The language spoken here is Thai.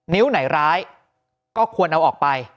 นิ้วไหนร้ายก็ควรเอาออกไป